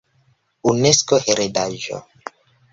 Unesko heredaĵo